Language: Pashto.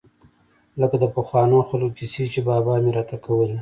لکه د پخوانو خلقو کيسې چې بابا مې راته کولې.